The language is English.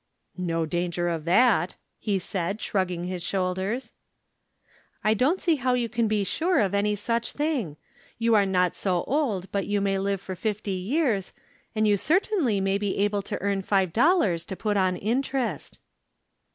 " No danger of that," he said, shrugging his shoulders. 152 From Different Standpoints. " I don't see how you can be sure of any such thing. You are not so old but that you may live for fifty years, and you certainly may be able to earn five dollars to put on interest."